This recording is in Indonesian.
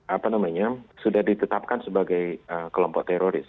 apa namanya sudah ditetapkan sebagai kelompok teroris